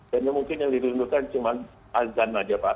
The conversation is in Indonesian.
dan mungkin yang dirindukan cuma azan saja pak